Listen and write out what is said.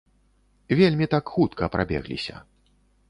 Вельмі так хутка прабегліся.